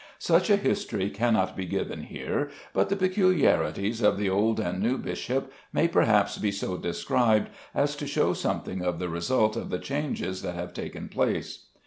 Such a history cannot be given here, but the peculiarities of the old and new bishop may perhaps be so described as to show something of the result of the changes that have taken place.